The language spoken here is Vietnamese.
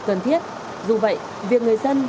cần thiết dù vậy việc người dân